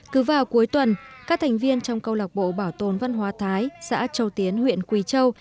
cứ vào cuối tuần các thành viên trong câu lạc bộ bảo tồn văn hóa thái xã châu tiến huyện quỳ châu